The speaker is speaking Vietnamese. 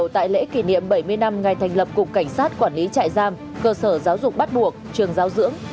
tại lễ kỷ niệm bảy mươi năm ngày thành lập cục cảnh sát quản lý trại giam cơ sở giáo dục bắt buộc trường giáo dưỡng